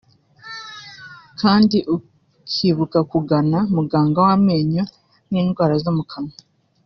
kandi ukibuka kugana muganga w’amenyo n’indwara zo mu kanwa